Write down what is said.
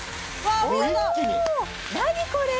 何これ！